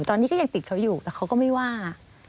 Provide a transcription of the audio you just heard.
ตอนนี้ก็ยังติดเขาอยู่แต่เขาก็ไม่ว่า